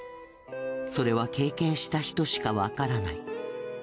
それは経験した人しかわからない。